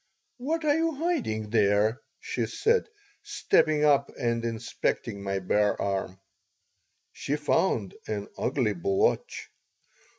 What are you hiding there?" she said, stepping up and inspecting my bare arm. She found an ugly blotch.